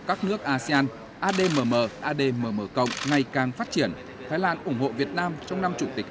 các nước asean admm admm cộng ngày càng phát triển thái lan ủng hộ việt nam trong năm chủ tịch